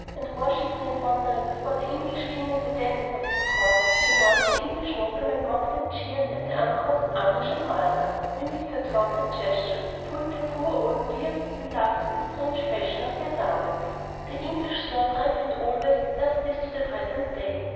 and worshipping and wondering before the English king and the dandies of his court, my lords the English noblemen mocked and jeered at their uncouth Irish admirers, mimicked their talk and gestures, pulled their poor old beards, and laughed at the strange fashion of their garments. The English Snob rampant always does this to the present day.